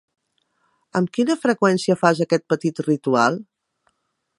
Amb quina freqüència fas aquest petit ritual?